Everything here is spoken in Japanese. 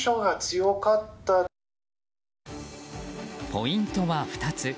ポイントは、２つ。